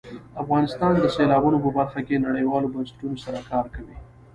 افغانستان د سیلابونو په برخه کې نړیوالو بنسټونو سره کار کوي.